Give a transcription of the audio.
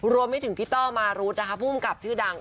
รวมไปถึงพี่ต้อมารุดนะคะผู้กำกับชื่อดัง